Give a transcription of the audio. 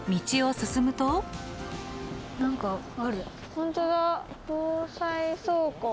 本当だ。